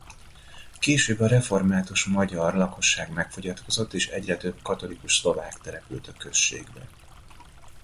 Később a református magyar lakosság megfogyatkozott és egyre több katolikus szlovák települt a községbe.